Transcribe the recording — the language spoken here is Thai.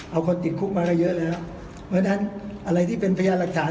เอาคนติดคุกมาก็เยอะแล้วเพราะฉะนั้นอะไรที่เป็นพยานหลักฐาน